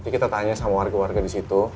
kita tanya sama warga warga di situ